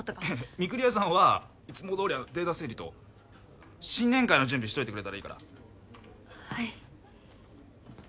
御厨さんはいつもどおりデータ整理と新年会の準備しといてくれたらいいから。はい。